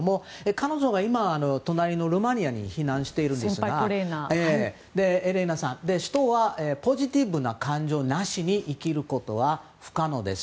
彼女が今ルーマニアに避難しているんですがエレーナさん人はポジティブな感情なしに生きることは不可能です